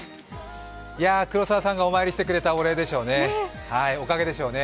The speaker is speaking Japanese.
黒澤さんがお参りしてくれたおかげでしょうね。